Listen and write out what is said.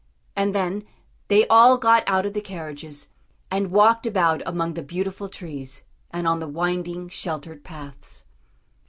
And then they all got out of the carriages, and walked about among the beautiful trees, and on the winding, sheltered paths.